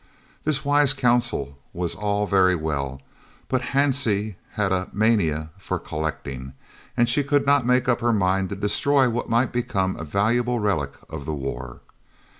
This wise counsel was all very well, but Hansie had a mania for "collecting," and she could not make up her mind to destroy what might become a valuable relic of the war.